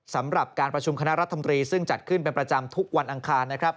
สำหรับการประชุมคณะรัฐมนตรีซึ่งจัดขึ้นเป็นประจำทุกวันอังคารนะครับ